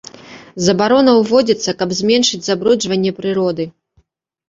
Забарона ўводзіцца, каб зменшыць забруджванне прыроды.